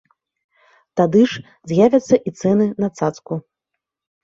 Тады ж з'явяцца і цэны на цацку.